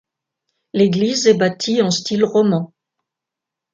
L'église est bâtie en style roman.